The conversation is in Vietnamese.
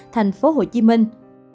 thành phố hồ chí minh